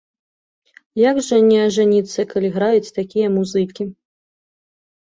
Як жа не ажаніцца, калі граюць такія музыкі!